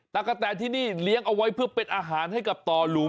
ตะกะแตนที่นี่เลี้ยงเอาไว้เพื่อเป็นอาหารให้กับต่อหลุม